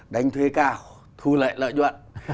đánh thuê cao thu lệ lợi nhuận